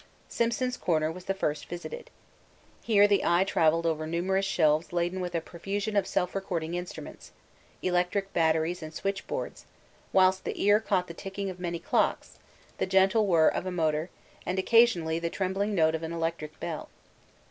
Simpson's Corner was the first visited. Here the eye travelled over numerous shelves laden with a profusion of self recording instruments, electric batteries and switchboards, whilst the ear caught the ticking of many clocks, the gentle whir of a motor and occasionally the trembling note of an electric bell.